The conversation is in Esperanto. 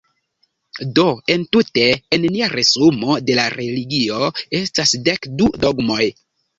Do, entute, en nia resumo de la religio, estas dek du dogmoj.